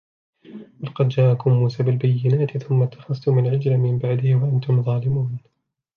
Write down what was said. ولقد جاءكم موسى بالبينات ثم اتخذتم العجل من بعده وأنتم ظالمون